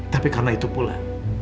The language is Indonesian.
tapi karena itu pula